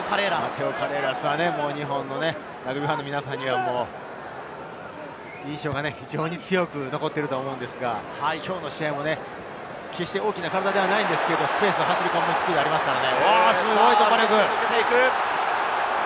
マテオ・カレーラスは日本のラグビーファンの皆さんには、印象が非常に強く残っていると思うのですが、きょうの試合も決して大きな体ではないんですけれど、スペースに走り込む、スピードがありますからね。